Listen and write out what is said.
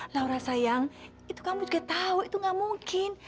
wah laura sayang itu kamu juga tahu itu nggak mungkin